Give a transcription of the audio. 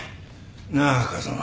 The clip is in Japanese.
なあ風間。